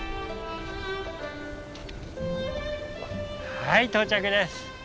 はい到着です。